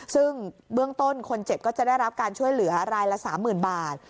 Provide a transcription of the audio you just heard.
ซึ่งเบื้องต้นคนเจ็บก็จะได้รับการช่วยเหลือรายละ๓๐๐๐บาท